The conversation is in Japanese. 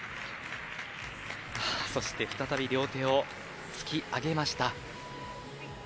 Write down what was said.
そして再び両手をつき上げました。